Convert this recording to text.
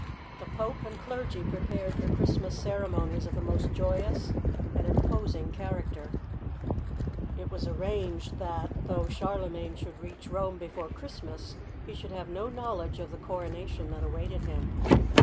The Pope and clergy prepared for Christmas cere monies of the most joyous and imposing character. It was arranged that though Charlemagne should reach Rome before Christmas, he should have no knowledge of the coronation that awaited him.